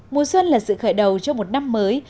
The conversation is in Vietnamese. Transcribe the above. mùa xuân là sự khởi đầu cho một năm mới